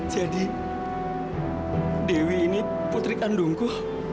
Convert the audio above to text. jadi dewi ini putri kandungku